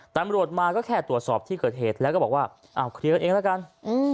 ตำรวจมาก็แค่ตรวจสอบที่เกิดเหตุแล้วก็บอกว่าอ้าวเคลียร์กันเองแล้วกัน